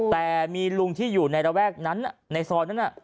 ไปมีลุงที่อยู่ในแรงแรกนั้นน่ะในซอยนั้นน่ะ